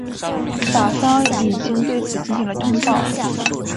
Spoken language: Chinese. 法方已经对此进行了通报。